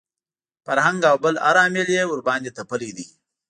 فرهنګ او بل هر عامل یې ورباندې تپلي دي.